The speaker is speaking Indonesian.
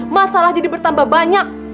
masalah jadi bertambah banyak